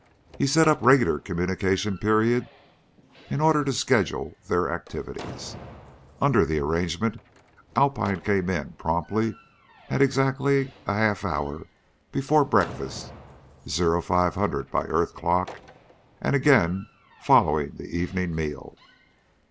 He set up regular communication periods in order to schedule their activities. Under the arrangement Alpine came in promptly at exactly a half hour before breakfast 0500 by earth clock and again following the evening meal.